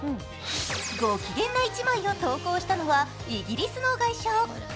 ごきげんな一枚を投稿したのはイギリスの外相。